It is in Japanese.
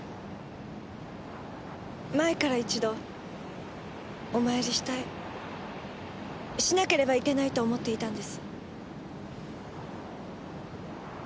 前から一度お参りしたいしなければいけないと思っていたんです。